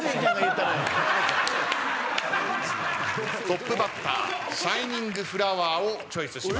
トップバッターシャイニング・フラワーをチョイスしました。